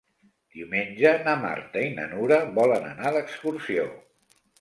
Diumenge na Marta i na Nura volen anar d'excursió.